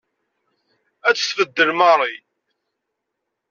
Ad tt-tbeddel Mary.